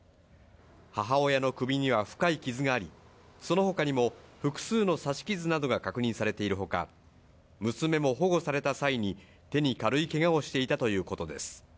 母親の首には深い傷がありそのほかにも複数の刺し傷などが確認されているほか娘も保護された際に手に軽いけがをしていたということです